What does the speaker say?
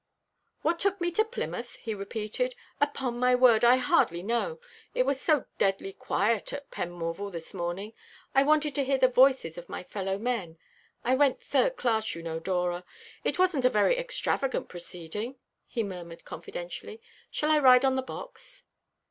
"What took me to Plymouth?" he repeated. "Upon my word, I hardly know. It was so deadly quiet at Penmorval this morning. I wanted to hear the voices of my fellow men. I went third class, you know, Dora. It wasn't a very extravagant proceeding," he murmured confidentially. "Shall I ride on the box?"